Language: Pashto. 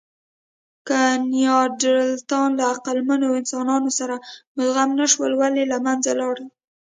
که نیاندرتالان له عقلمنو انسانانو سره مدغم نهشول، ولې له منځه لاړل؟